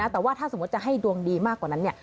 แต่ว่าถ้าสมมุติจะให้ดวงดีมากกว่านั้นเนี่ย